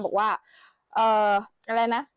บอกว่าอะไรนะ